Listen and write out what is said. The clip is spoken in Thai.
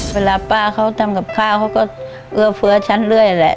เวลาป้าเขาทำกับข้าวเขาก็เอื้อเฟื้อฉันเรื่อยแหละ